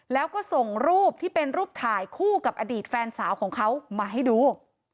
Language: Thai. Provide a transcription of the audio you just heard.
แล้วก็ส่งรูปที่เป็นรูปถ่ายคู่กับอดีตแฟนสาวของเขามาให้ดู